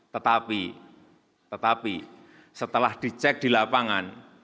tetapi tetapi setelah dicek di lapangan